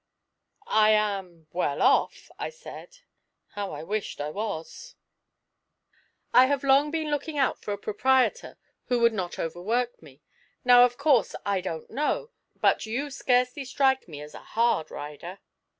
'I am well off,' I said. How I wished I was! 'I have long been looking out for a proprietor who would not overwork me: now, of course, I don't know, but you scarcely strike me as a hard rider.'